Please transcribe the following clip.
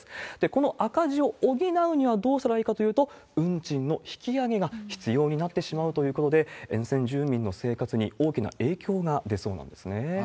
この赤字を補うにはどうしたらいいかというと、運賃の引き上げが必要になってしまうということで、沿線住民の生活に大きな影響が出そうなんですね。